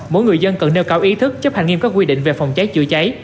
mỗi người dân cần nêu cao ý thức chấp hành nghiêm các quy định về phòng cháy chữa cháy